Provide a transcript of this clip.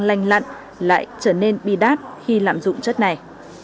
lành lặn lại trở nên bi đát khi lạm dụng chất này